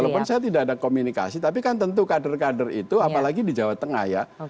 walaupun saya tidak ada komunikasi tapi kan tentu kader kader itu apalagi di jawa tengah ya